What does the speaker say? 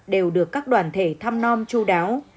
đều được các đoàn thể thăm non chú đáo